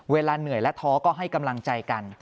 เหนื่อยและท้อก็ให้กำลังใจกัน